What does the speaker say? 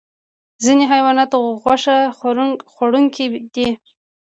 ځینې حیوانات غوښه خوړونکي دي